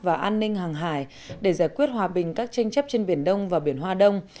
và an ninh hàng hải để giải quyết hòa bình các tranh chấp trên biển đông và biển hoa đông